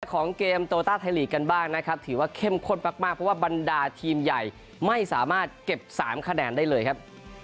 ของเกมโตต้าไทยลีกกันบ้างนะครับถือว่าเข้มข้นมากเพราะว่าบรรดาทีมใหญ่ไม่สามารถเก็บ๓คะแนนได้เลยครับ